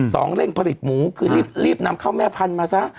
เร่งผลิตหมูคือรีบนำเข้าแม่พันธุ์มาซะ